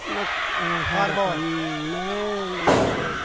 ファウルボール。